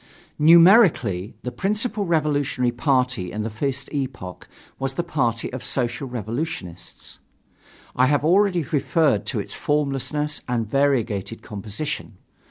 Numerically, the principal revolutionary party in the first epoch was the party of Social Revolutionists. I have already referred to its formlessness and variegated composition.